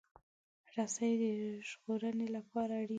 رسۍ د ژغورنې لپاره اړینه ده.